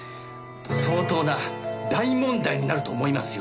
相当な大問題になると思いますよ。